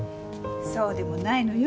そうでもないのよ。